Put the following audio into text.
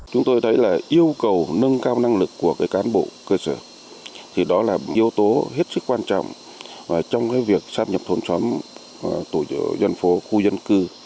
chúng tôi thấy là yêu cầu nâng cao năng lực của cán bộ cơ sở thì đó là yếu tố hết sức quan trọng trong việc sắp nhập thôn xóm tổ dân phố khu dân cư